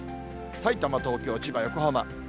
さいたま、東京、千葉、横浜。